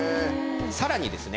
さらにですね